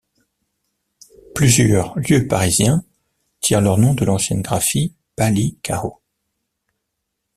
Plusieurs lieux parisiens tirent leurs noms de l'ancienne graphie Pali-Kao.